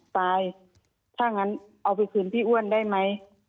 ตายถ้างั้นเอาไปคืนพี่อ้วนได้ไหม